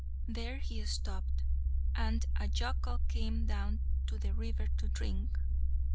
There he stopped. And a jackal came down to the river to drink.